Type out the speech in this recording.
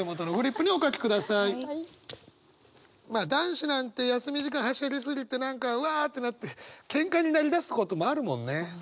まあ男子なんて休み時間はしゃぎ過ぎて何かうわってなってケンカになりだすこともあるもんね。